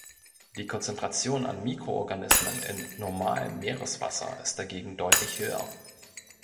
Die Konzentration an Mikroorganismen in normalem Meereswasser ist dagegen deutlich höher.